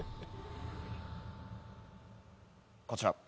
こちら。